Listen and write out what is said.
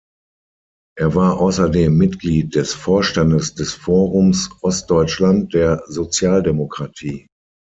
Er war außerdem Mitglied des Vorstandes des Forums Ostdeutschland der Sozialdemokratie.